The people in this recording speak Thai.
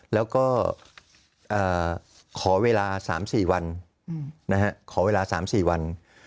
แล้วก็ขอเวลา๓๔วัน